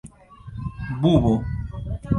Bubo.